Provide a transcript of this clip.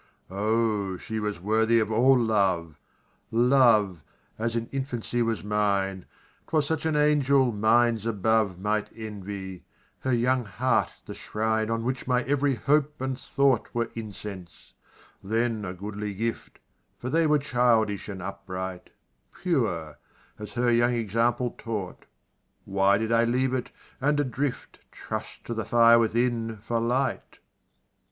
O, she was worthy of all love! Love as in infancy was mine 'Twas such as angel minds above Might envy; her young heart the shrine On which my every hope and thought Were incense then a goodly gift, For they were childish and upright Pure as her young example taught: Why did I leave it, and, adrift, Trust to the fire within, for light?